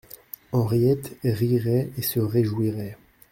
Henriette rirait et se réjouirait.